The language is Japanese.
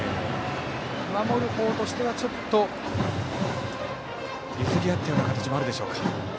守るほうとしてはちょっと譲り合ったような形もあるでしょうか。